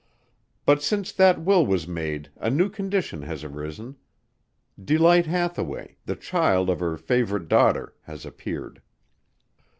But since that will was made a new condition has arisen. Delight Hathaway, the child of her favorite daughter, has appeared.